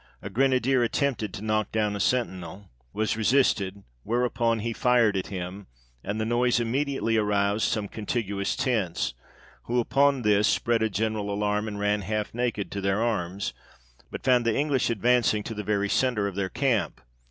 A grenadier attempting to knock down a sentinel, was resisted, where upon he fired at him ; and the noise immediately roused some contiguous tents, who upon BATTLE OF ESP ALIGN. 81 this, spread a general alarm, and ran half naked to their arms, but found the English advancing to the very centre of their camp.